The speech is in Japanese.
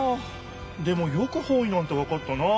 でもよく方位なんてわかったな。